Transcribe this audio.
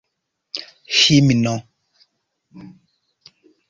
himno